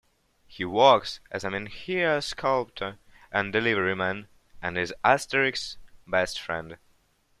He works as a menhir sculptor and deliveryman, and is Asterix's best friend.